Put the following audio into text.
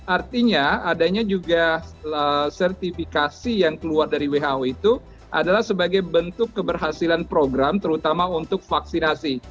artinya adanya juga sertifikasi yang keluar dari who itu adalah sebagai bentuk keberhasilan program terutama untuk vaksinasi